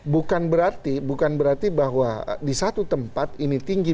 bukan berarti bukan berarti bahwa di satu tempat ini tinggi